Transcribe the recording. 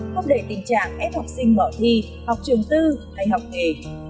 hấp đẩy tình trạng ép học sinh bỏ thi học trường tư hay học nghề